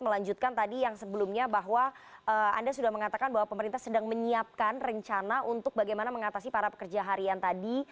melanjutkan tadi yang sebelumnya bahwa anda sudah mengatakan bahwa pemerintah sedang menyiapkan rencana untuk bagaimana mengatasi para pekerja harian tadi